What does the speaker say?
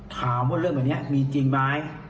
ถามว่าเรื่องแบบนี้มีจริงไหม